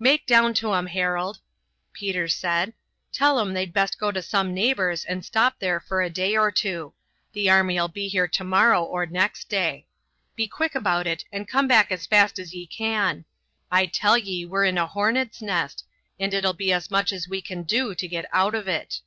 "Make down to 'em, Harold," Peter said. "Tell 'em they'd best go to some neighbor's and stop there for a day or two. The army'll be here to morrow or next day. Be quick about it, and come back as fast as ye can. I tell ye we're in a hornets' nest, and it'll be as much as we can do to get out of it."